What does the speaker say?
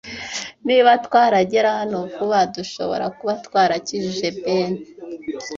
Niba twaragera hano vuba, dushobora kuba twarakijije Ben .